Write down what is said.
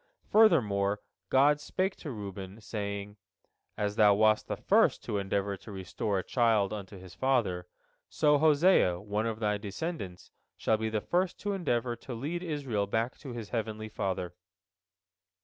Furthermore God spake to Reuben, saying: "As thou wast the first to endeavor to restore a child unto his father, so Hosea, one of thy descendants, shall be the first to endeavor to lead Israel back to his heavenly Father."